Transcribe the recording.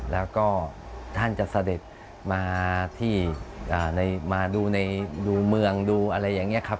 แล้วก็ท่านจะเสด็จมาที่มาดูเมืองดูอะไรอย่างนี้ครับ